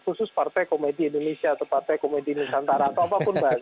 khusus partai komedi indonesia atau partai komedi nusantara atau apapun bahasa